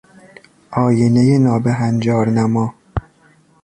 آینهی نابهنجار نما